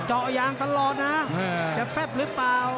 เจาะยางตลอดนะจะแฟบหรือเปล่า